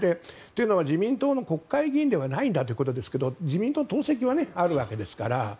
というのは自民党の国会議員ではないんだということですが自民党党籍はあるわけですから。